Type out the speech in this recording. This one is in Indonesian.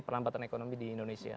pernambatan ekonomi di indonesia